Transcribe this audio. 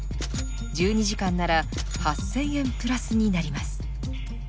１２時間なら８，０００円プラスになります。